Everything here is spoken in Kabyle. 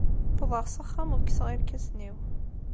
Wwḍeɣ s axxam u kkseɣ irkasen-iw.